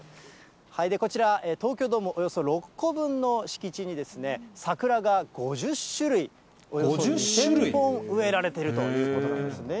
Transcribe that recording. こちら、東京ドームおよそ６個分の敷地に、桜が５０種類、およそ２０００本植えられているということです。